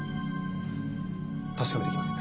確かめてきます。